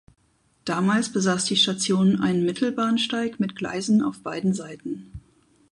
Damals besaß die Station einen Mittelbahnsteig mit Gleisen auf beiden Seiten.